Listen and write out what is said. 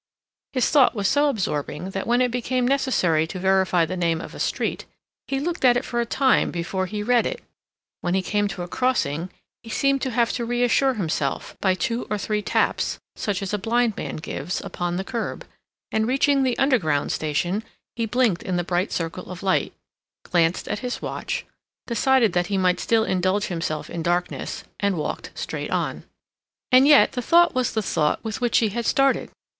His thought was so absorbing that when it became necessary to verify the name of a street, he looked at it for a time before he read it; when he came to a crossing, he seemed to have to reassure himself by two or three taps, such as a blind man gives, upon the curb; and, reaching the Underground station, he blinked in the bright circle of light, glanced at his watch, decided that he might still indulge himself in darkness, and walked straight on. And yet the thought was the thought with which he had started.